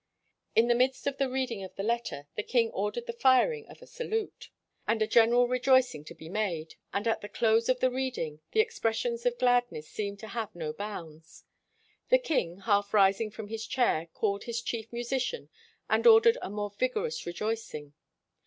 '' In the midst of the reading of the letter, the king ordered the firing of a salute, and 78 RECEPTION AT THE ROYAL PALACE a general rejoicing to be made, and at the close of the reading, the expressions of glad ness seemed to have no bounds. The king, half rising from his chair, called his chief musician and ordered a more vigorous re joicing.